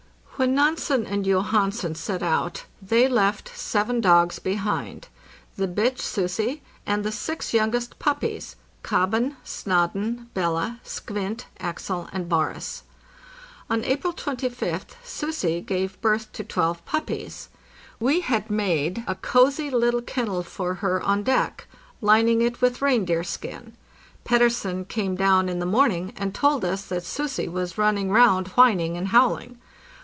When Nansen and Johansen set out, they left seven dogs behind, the bitch "Sussi" and the six youngest puppies: " Kobben," ' Snadden," " Bella," ' Skvint,'" ' Axel," and "Boris." On April 25th "Sussi" gave birth to twelve pup pies. We had made a cozy little kennel for her on deck, lining it with reindeer skin. Petterson came down in the morning, and told us that "Sussi" was running round whin ing and howling.